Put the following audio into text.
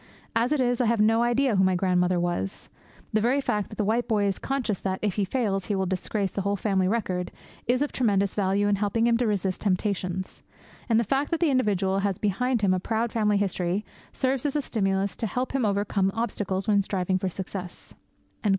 As it is, I have no idea who my grandmother was. The very fact that the white boy is conscious that, if he fails, he will disgrace the whole family record is of tremendous value in helping him to resist temptations. And the fact that the individual has behind him a proud family history serves as a stimulus to help him to overcome obstacles when striving for success.'